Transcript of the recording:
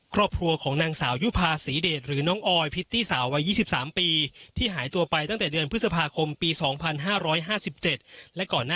ครอบครัวของนางสาวยูภาษีเดช